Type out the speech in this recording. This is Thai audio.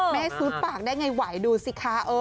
แม่ซื้อฝากได้อย่างไรดูสิคะ